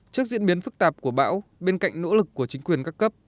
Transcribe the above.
trước diễn biến phức tạp của bão bên cạnh nỗ lực của chính quyền các cấp